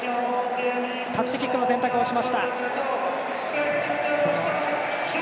タッチキックの選択をしました。